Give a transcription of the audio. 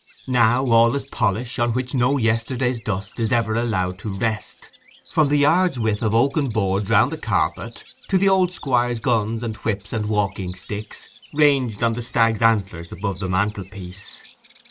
Now all is polish, on which no yesterday's dust is ever allowed to rest, from the yard's width of oaken boards round the carpet, to the old Squire's gun and whips and walking sticks, ranged on the stag's antlers above the mantelpiece.